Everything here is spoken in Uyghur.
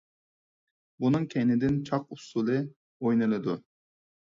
بۇنىڭ كەينىدىن چاق ئۇسسۇلى ئوينىلىدۇ.